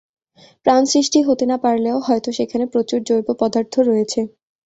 প্রাণ সৃষ্টি হতে না পারলেও হয়ত সেখানে প্রচুর জৈব পদার্থ রয়েছে।